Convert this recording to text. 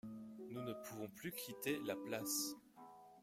Nous ne pouvons plus quitter la place.